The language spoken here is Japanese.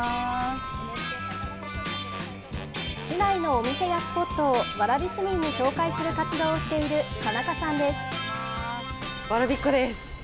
市内のお店やスポットを、蕨市民に紹介する活動をしている田中さんです。